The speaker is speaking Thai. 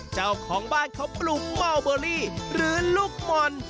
เจ้าของบ้านเขาปลูกเมาเบอรี่หรือลูกมอน